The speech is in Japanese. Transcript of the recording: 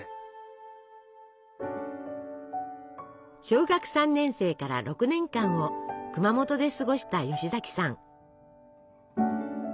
小学３年生から６年間を熊本で過ごした吉崎さん。